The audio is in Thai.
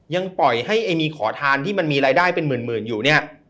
ยังปล่อยให้มีขอทานที่มีรายได้เป็นหมื่นอยู่